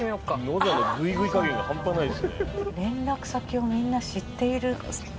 連絡先をみんな知っている。